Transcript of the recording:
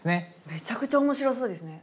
めちゃくちゃ面白そうですね。